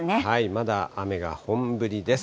まだ雨が本降りです。